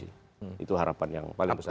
itu harapan yang paling besar